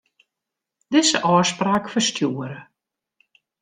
Dizze ôfspraak ferstjoere.